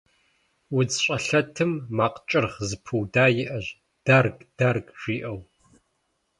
УдзщӀэлъэтым макъ кӀыргъ зэпыуда иӀэщ, «дарг-дарг», жиӀэу.